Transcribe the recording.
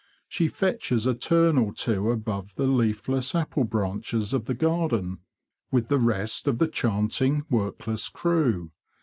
She fetches a turn or two above the leafless apple branches of the garden, with the rest of the chanting, workless crew.